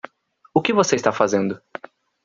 O que você está fazendo?